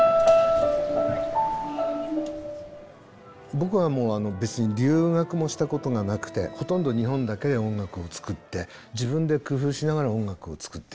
僕はもう別に留学もしたことがなくてほとんど日本だけで音楽を作って自分で工夫しながら音楽を作ってきた。